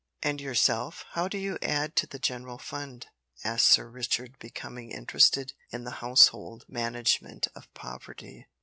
"And yourself. How do you add to the general fund?" asked Sir Richard, becoming interested in the household management of Poverty.